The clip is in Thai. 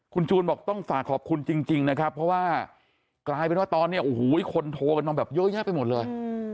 คุณจูนบอกต้องฝากขอบคุณจริงนะครับเพราะว่ากลายเป็นว่าตอนนี้โอ้โหคนโทรกันมาแบบเยอะแยะไปหมดเลย